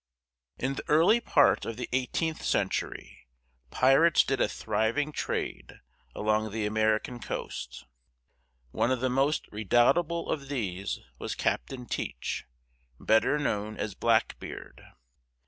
In the early part of the eighteenth century, pirates did a thriving trade along the American coast. One of the most redoubtable of these was Captain Teach, better known as "Blackbeard."